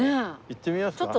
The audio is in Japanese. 行ってみますか？